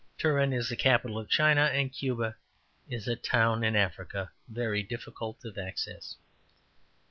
'' ``Turin is the capital of China,'' and ``Cuba is a town in Africa very difficult of access.''